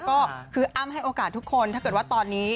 ก็คืออ้ำให้โอกาสทุกคนถ้าเกิดว่าตอนนี้